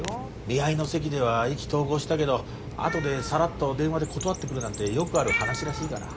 見合いの席では意気投合したけどあとでさらっと電話で断ってくるなんてよくある話らしいから。